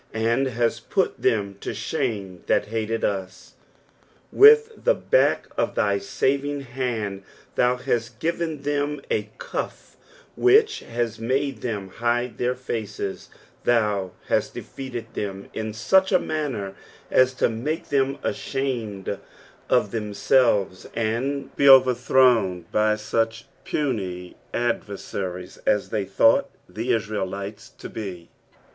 "And kmt put them lo ihame that hated tit." With the back of thy saving hand thou hast given them a cuff which has made them hide their faces ; thou hast defeated them in such a manner as to make them ashamed of themselves to be overthrown by such puny adversaries as they thought the Israelites to be.